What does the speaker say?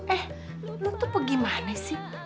eh lu tuh pergi mana sih